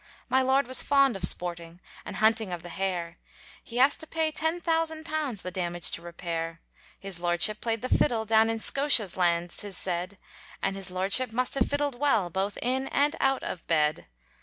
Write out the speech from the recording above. My lord was fond of sporting, And hunting of the hare, He has to pay ten thousand pounds, The damage to repair; His lordship played the fiddle, Down in Scotia's land, 'tis said, And his lordship must have fiddled well Both in and out of bed.